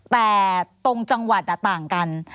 แต่ตรงจังหวัดต่างกัน